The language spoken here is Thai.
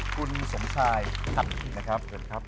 คุณสมชายศัพท์นะครับ